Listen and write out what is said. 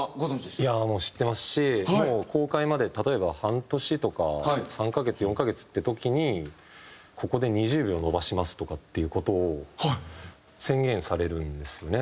いやもう知ってますしもう公開まで例えば半年とか３カ月４カ月って時にここで２０秒延ばしますとかっていう事を宣言されるんですよね。